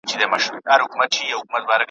د خان ماینې ته هر څوک بي بي وایي `